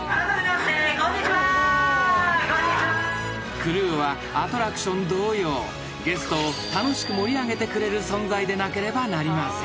［クルーはアトラクション同様ゲストを楽しく盛り上げてくれる存在でなければなりません］